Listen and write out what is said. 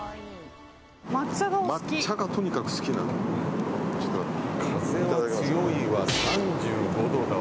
抹茶がとにかく好きなの。